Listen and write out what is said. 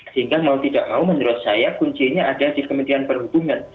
sehingga mau tidak mau menurut saya kuncinya ada di kementerian perhubungan